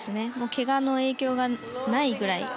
けがの影響がもう、ないくらい。